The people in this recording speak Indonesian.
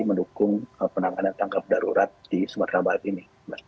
mendukung penanganan tangkap darurat di sumatera barat ini